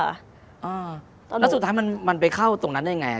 แล้วสุดท้ายมันไปเข้าตรงนั้นได้ยังไง